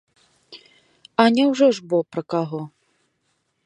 А няўжо ж бо пра каго!